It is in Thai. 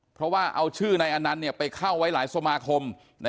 เพราะว่าเอาชื่อนายอนันต์ไปเข้าไว้หลายสมาคม